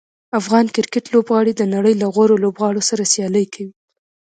افغان کرکټ لوبغاړي د نړۍ له غوره لوبغاړو سره سیالي کوي.